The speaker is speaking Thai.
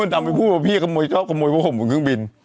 คุณตามไปพูดว่าพี่กระโมยชอบกระโมยพวกผมบนเครื่องบิน